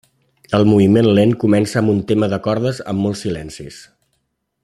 El moviment lent comença amb un tema de cordes amb molts silencis.